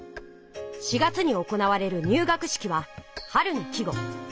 ４月に行われる「入学式」は春の季語。